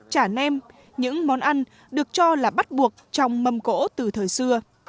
chả nem những món ăn được cho là bắt buộc trong mâm cỗ từ thời xưa